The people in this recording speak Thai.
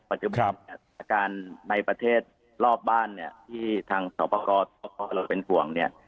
ปัจจุบัติการณ์ในประเทศรอบบ้านเนี่ยที่ทางสวัสดีครับเราเป็นห่วงเนี่ย